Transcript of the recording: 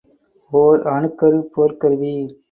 ஓர் அணுக்கருப் போர்க்கருவி.